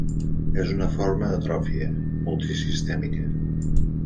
És una forma d'atròfia multisistèmica.